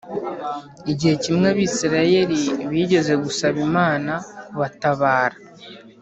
Igihe kimwe Abisirayeli bigeze gusaba Imana kubatabara